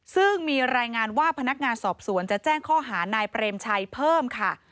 ซึ่งมีรายงานว่าพนักงานสอบสวนจะแจ้งข้อหานายเปรมชัยเพิ่มค่ะ